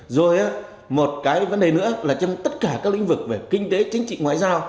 rồi một cái vấn đề nữa là trong tất cả các lĩnh vực về kinh tế chính trị ngoại giao